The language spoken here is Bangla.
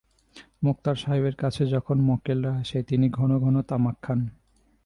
মোক্তার সাহেবের কাছে যখন মক্কেলরা আসে, তিনি ঘনঘন তামাক খান।